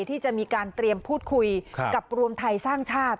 ที่จะมีการเตรียมพูดคุยกับรวมไทยสร้างชาติ